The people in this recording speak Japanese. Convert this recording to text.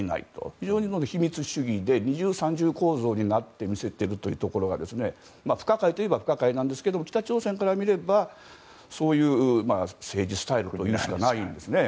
非常に秘密主義で二重三重構造になって見せているのは不可解といえば不可解ですが北朝鮮からするとそういう政治スタイルをとるしかないんですね。